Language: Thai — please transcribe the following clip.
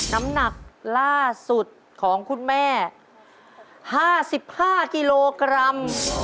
น้ำหนักล่าสุดของคุณแม่๕๕กิโลกรัม